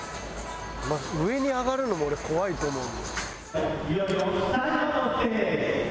上に上がるのも俺怖いと思う。